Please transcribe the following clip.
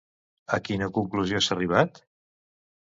A quina conclusió s'ha arribat?